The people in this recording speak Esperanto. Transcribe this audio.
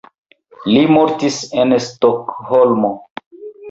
Li mortis en Stokholmo.